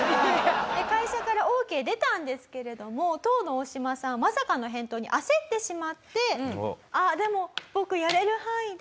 で会社からオーケー出たんですけれども当のオオシマさんはまさかの返答に焦ってしまって。